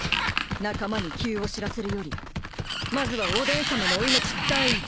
仲間に急を知らせるよりまずはおでんさまのお命が第一。